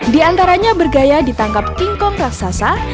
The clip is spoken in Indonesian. di antaranya bergaya ditangkap tingkong raksasa